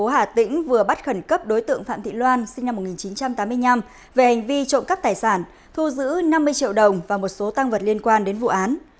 hà tĩnh vừa bắt khẩn cấp đối tượng phạm thị loan sinh năm một nghìn chín trăm tám mươi năm về hành vi trộm cắp tài sản thu giữ năm mươi triệu đồng và một số tăng vật liên quan đến vụ án